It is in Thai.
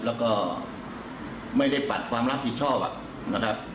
แล้วก็ไม่ได้ปัดความรับผิดชอบนะครับ